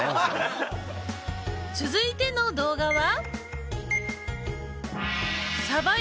続いての動画は。